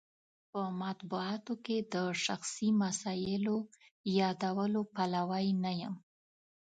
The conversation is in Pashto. په مطبوعاتو کې د شخصي مسایلو یادولو پلوی نه یم.